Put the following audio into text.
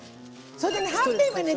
それでねはんぺんはね